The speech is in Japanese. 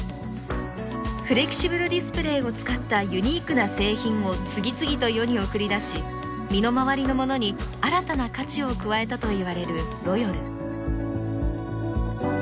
フレキシブルディスプレーを使ったユニークな製品を次々と世に送り出し身の回りのものに新たな価値を加えたといわれるロヨル。